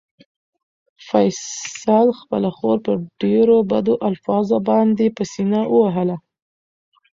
فیصل خپله خور په ډېرو بدو الفاظو باندې په سېنه ووهله.